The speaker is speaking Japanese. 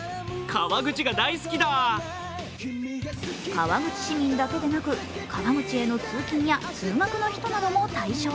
川口市民だけでなく、川口への通勤や通学の人なども対象。